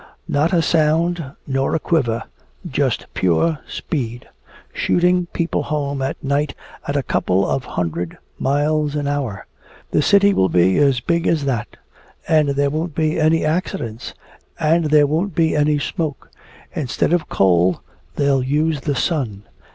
Not a sound nor a quiver just pure speed! Shooting people home at night at a couple of hundred miles an hour! The city will be as big as that! And there won't be any accidents and there won't be any smoke. Instead of coal they'll use the sun!